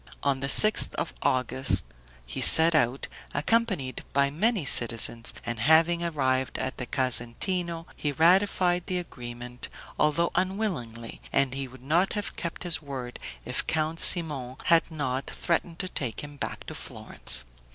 On the sixth of August he set out, accompanied by many citizens, and having arrived at the Casentino he ratified the agreement, although unwillingly, and would not have kept his word if Count Simon had not threatened to take him back to Florence.